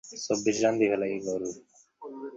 যদিও বিরক্ত হবার কোনোই কারণ নেই।